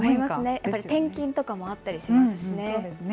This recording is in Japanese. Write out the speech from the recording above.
やっぱり転勤とかもあったりしますしね。